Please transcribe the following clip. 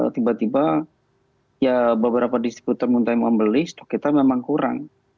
tiba tiba beberapa distributor muntah yang mau beli stok kita memang kurang